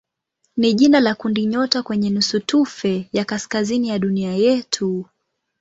ni jina la kundinyota kwenye nusutufe ya kaskazini ya dunia yetu.